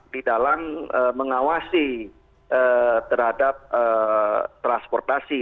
di dalam mengawasi terhadap transportasi